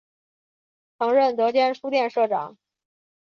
曾任德间书店社长。